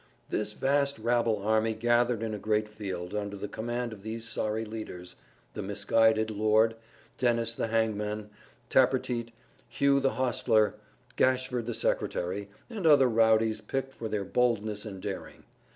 This vast rabble army gathered in a great field, under the command of these sorry leaders the misguided lord, Dennis the hangman, Tappertit, Hugh the hostler, Gashford the secretary, and other rowdies picked for their boldness and daring.